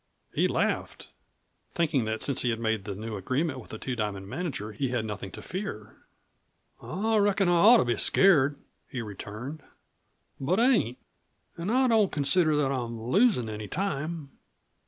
He laughed, thinking that since he had made the new agreement with the Two Diamond manager he had nothing to fear. "I reckon I ought to be scared," he returned, "but I ain't. An' I don't consider that I'm losin' any time."